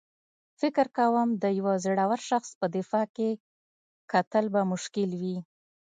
فکر کوم د یو زړور شخص په دماغ کې کتل به مشکل وي.